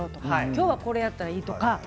今日はこれをやったらいいとか。